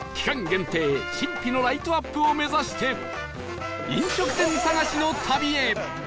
限定神秘のライトアップを目指して飲食店探しの旅へ！